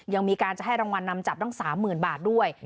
ยังมีการจะให้รางวัลนำจับตั้ง๓๐๐๐บาทด้วย